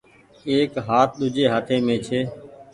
ايڪ هآت ۮوجھي هآتي مين ڇي۔